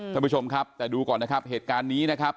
ท่านผู้ชมครับแต่ดูก่อนนะครับเหตุการณ์นี้นะครับ